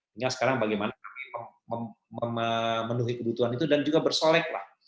tinggal sekarang bagaimana kami memenuhi kebutuhan itu dan juga bersolek lah